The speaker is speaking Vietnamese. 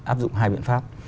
áp dụng hai biện pháp